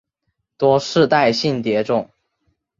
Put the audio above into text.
多世代性蝶种。